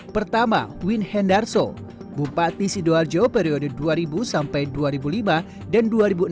pertama win hendarso bupati sidoarjo periode dua ribu dua ribu lima dan dua ribu enam dua ribu sepuluh